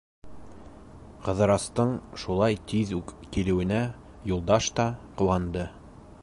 Ҡыҙырастың шулай тиҙ үк килеүенә Юлдаш та ҡыуанды.